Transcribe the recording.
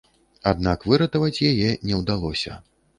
Аднак выратаваць яе не ўдалося.